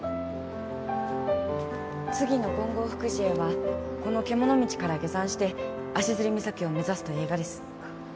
次の金剛福寺へはこの獣道から下山して足岬を目指すとえいがです。